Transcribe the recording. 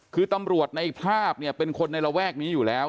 คือตำรวจในภาพเนี่ยเป็นคนในระแวกนี้อยู่แล้ว